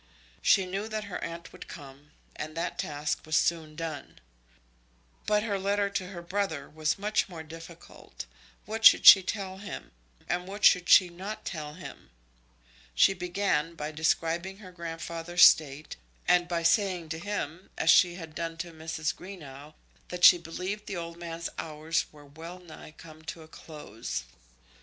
She knew that her aunt would come, and that task was soon done. But her letter to her brother was much more difficult. What should she tell him, and what should she not tell him? She began by describing her grandfather's state, and by saying to him, as she had done to Mrs. Greenow, that she believed the old man's hours were well nigh come to a close.